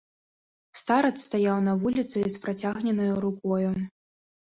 Старац стаяў на вуліцы з працягненаю рукою.